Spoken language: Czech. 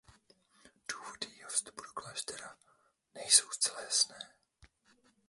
Důvody jejího vstupu do kláštera nejsou zcela jasné.